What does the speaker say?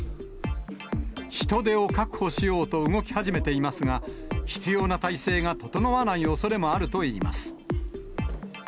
人手を確保しようと動き始めていますが、必要な体制が整わないおそれがあるといいます。